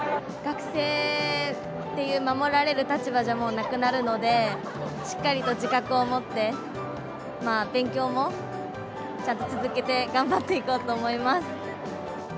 学生という守られる立場じゃ、もうなくなるので、しっかりと自覚を持って、勉強もちゃんと続けて頑張っていこうと思います。